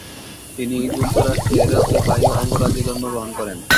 তিনি যুক্তরাষ্ট্রের ওহাইও অঙ্গরাজ্যে জন্মগ্রহণ করেন।